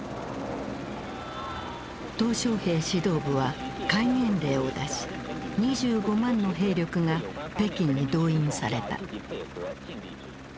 小平指導部は戒厳令を出し２５万の兵力が北京に動員された。